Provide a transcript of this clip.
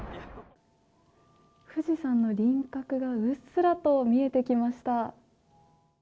富士山の輪郭がうっすらと見えてきました。